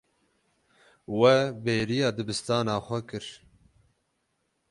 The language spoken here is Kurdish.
We bêriya dibistana xwe kir.